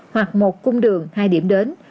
hoặc một cung đường hai điểm đến